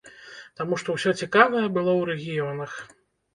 Таму што ўсё цікавае было ў рэгіёнах.